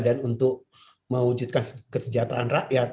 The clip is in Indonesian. dan untuk mewujudkan kesejahteraan rakyat